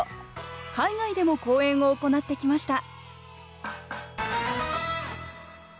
海外でも公演を行ってきました